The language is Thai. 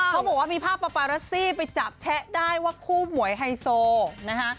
เขาบอกว่ามีภาพปาปารัสซี่ไปจับแชะได้ว่าคู่หมวยไฮโซนะคะ